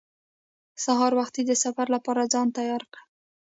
سهار وختي د سفر لپاره ځان تیار کړ.